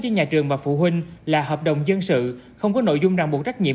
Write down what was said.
với nhà trường và phụ huynh là hợp đồng dân sự không có nội dung ràng buộc trách nhiệm